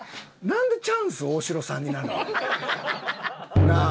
なんでチャンス大城さんになるの？ハハハ！